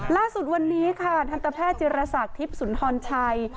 ล่าสุดวันนี้ค่ะทันตแพทย์จิรษักทิพย์สุนทรชัย